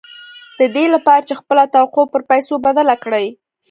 د دې لپاره چې خپله توقع پر پيسو بدله کړئ.